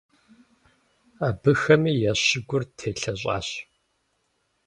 Абыхэми я щыгур телъэщӀащ.